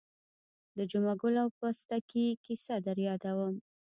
د جمعه ګل او پستکي کیسه در یادوم.